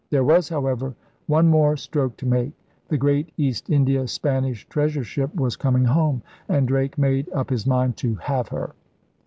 There was, however, one more stroke to make. The great East India Spanish treasure ship was coming home; and Drake made up his mind to have her.